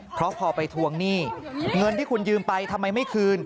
เพราะพอไปทวงหนี้เงินที่คุณยืมไปทำไมไม่คืน